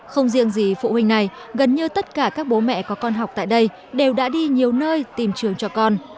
không riêng gì phụ huynh này gần như tất cả các bố mẹ có con học tại đây đều đã đi nhiều nơi tìm trường cho con